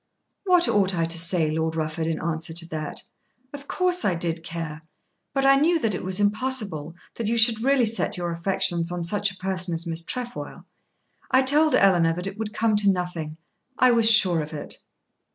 "What ought I say, Lord Rufford, in answer to that? Of course I did care. But I knew that it was impossible that you should really set your affections on such a person as Miss Trefoil. I told Eleanor that it would come to nothing. I was sure of it."